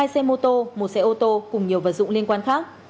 hai xe mô tô một xe ô tô cùng nhiều vật dụng liên quan khác